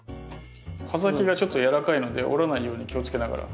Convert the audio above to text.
葉先がちょっと軟らかいので折らないように気をつけながら。